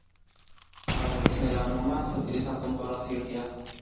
Para el melanoma se utiliza junto a la cirugía.